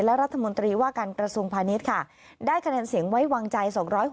และรัฐมนตรีว่าการกระทรวงพาณิชย์ค่ะได้คะแนนเสียงไว้วางใจ๒๖๖